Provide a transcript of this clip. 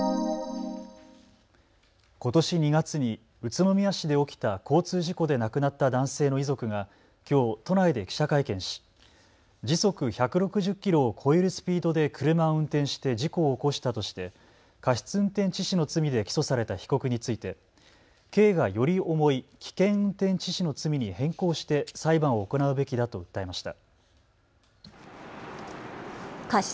ことし２月に宇都宮市で起きた交通事故で亡くなった男性の遺族がきょう、都内で記者会見し時速１６０キロを超えるスピードで車を運転して事故を起こしたとして過失運転致死の罪で起訴された被告について、刑がより重い危険運転致死の罪に変更して裁判を行うべきだと訴えました。